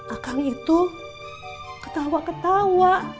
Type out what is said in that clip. akang itu ketawa ketawa